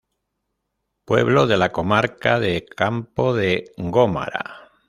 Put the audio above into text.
Pueblo de la Comarca de Campo de Gómara.